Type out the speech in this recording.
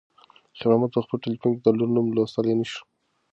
خیر محمد په خپل تلیفون کې د لور نوم لوستی نه شو.